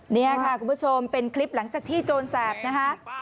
นี่ค่ะคุณผู้ชมเป็นคลิปหลังจากที่โจรแสบนะคะ